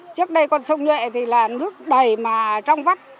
trước đây con sông nhuệ thì là nước đầy mà trong vắt